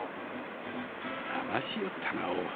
だましよったな大原。